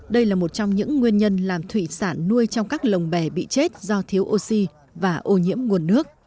đây là một trong những nguyên nhân làm thủy sản nuôi trong các lồng bè bị chết do thiếu oxy và ô nhiễm nguồn nước